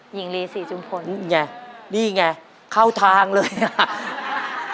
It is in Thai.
หญิงลีสีจุมพลอู้เนี่ยนี่ไงเข้าทางเลยค่ะ